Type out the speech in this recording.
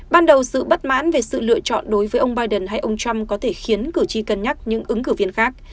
ban đầu sự bất mãn về sự lựa chọn đối với ông biden hay ông trump có thể khiến cử tri cân nhắc những ứng cử viên khác